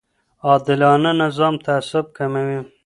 عادلانه نظام تعصب کموي